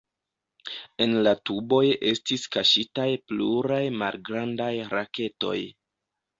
En la tuboj estis kaŝitaj pluraj malgrandaj raketoj.